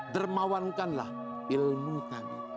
dermawankanlah ilmu kami